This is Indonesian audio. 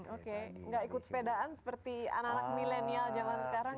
oke gak ikut sepedaan seperti anak anak milenial zaman sekarang